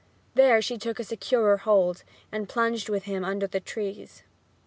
There she took a securer hold, and plunged with him under the trees.